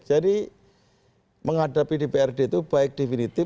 jadi menghadapi dprd itu baik definitif